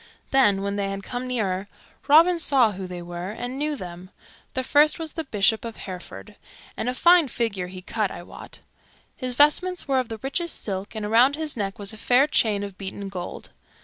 Then, when they had come nearer, Robin saw who they were, and knew them. The first was the Bishop of Hereford, and a fine figure he cut, I wot. His vestments were of the richest silk, and around his neck was a fair chain of beaten gold.